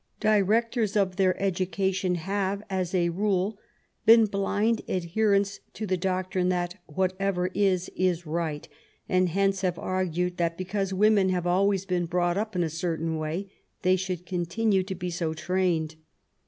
Directors of their education have, as a rule, been blind adherents to the doctrine that whatever is is right, and hence have argued that, because women have always been brought up in a certain way, they should continue to be so trained.